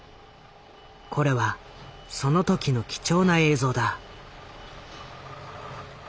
これはその時の貴重な映像だ。